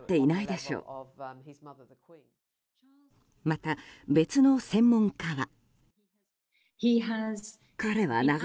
また、別の専門家は。